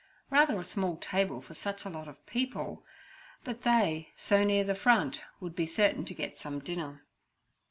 Rather a small table for such a lot of people; but they, so near the front, would be certain to get some dinner.